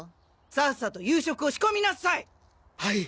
さっさと夕食を仕込みなさい。